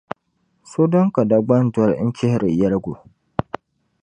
So dini ka Dagbani doli n-chihiri yɛligu